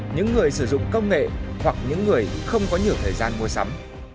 những người sử dụng công nghệ hoặc những người không có nhiều thời gian mua sắm